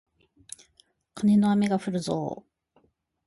カネの雨がふるぞー